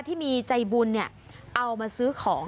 ที่มีใจบุญเอามาซื้อของ